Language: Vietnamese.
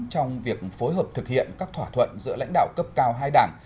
trong việc phối hợp thực hiện các thỏa thuận giữa lãnh đạo cấp cao hai đảng